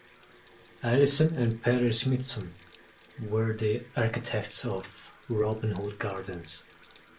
Alison and Peter Smithson were the architects of Robin Hood Gardens.